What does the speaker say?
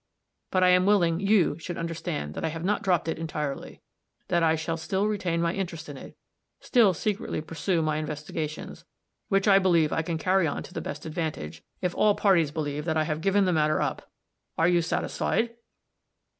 But I am willing you should understand that I have not dropped it entirely that I shall still retain my interest in it still secretly pursue my investigations, which I believe I can carry on to the best advantage if all parties believe that I have given the matter up. Are you satisfied?"